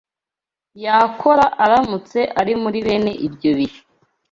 yakora aramutse ari muri bene ibyo bihe